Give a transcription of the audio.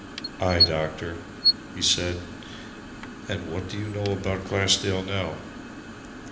"Aye, doctor," he said. "And what do you know about Glassdale, now?"